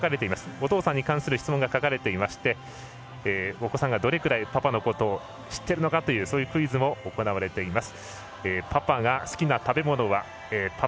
お父さんに関する質問が書かれていましてお子さんがどれくらいパパのことを知っているのかとそういうクイズも行われています。